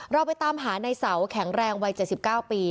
เราไปตามหาในเสาแข็งแรงวัย๗๙ปี